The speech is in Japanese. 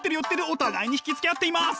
お互いに惹きつけ合っています！